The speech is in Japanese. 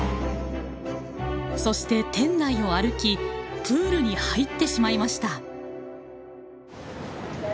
そして店内を歩きプールに入ってしまいました。